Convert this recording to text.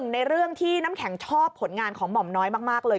ในเรื่องที่น้ำแข็งชอบผลงานของหม่อมน้อยมากเลย